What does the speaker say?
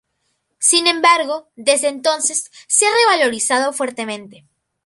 Sin embargo, desde entonces se ha revalorizado fuertemente.